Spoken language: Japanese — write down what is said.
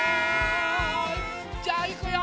じゃあいくよ！